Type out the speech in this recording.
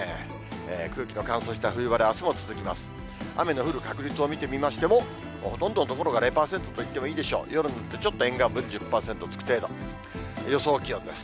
空気の乾燥した冬晴れ、あすも続きます。